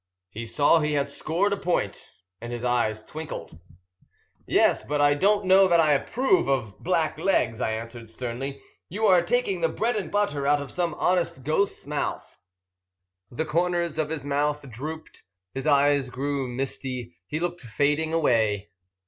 He saw he had scored a point, and his eyes twinkled. "Yes, but I don't know that I approve of black legs," I answered sternly. "You are taking the bread and butter out of some honest ghost's mouth." The corners of his own mouth drooped; his eyes grew misty; he looked fading away.